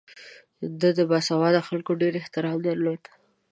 ده د باسواده خلکو ډېر احترام درلود.